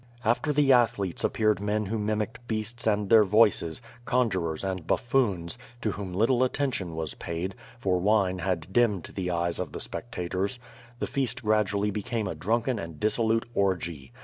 After the athletes appeared men who mimicked beasts and their voices, conjurors and buffoons, to whom little attention was paid, for wine had dimmed the eyes of the spectators. The feast gradually became a drunken and dissolute orgy.